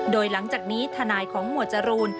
โดยหลังจากนี้ทนายของหมวดจรูน